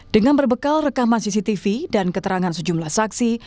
dengan berbekal rekaman cctv dan keterangan sejumlah saksi